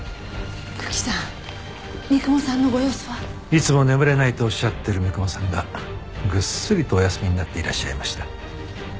いつも眠れないとおっしゃってる三雲さんがぐっすりとお休みになっていらっしゃいました。